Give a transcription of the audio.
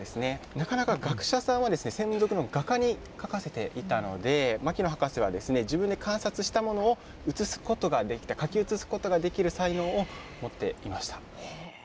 なかなか学者さんは専属の画家に描かせていたので、牧野博士は自分で観察したものを写すことができて、書き写すことができる才能を持っていました。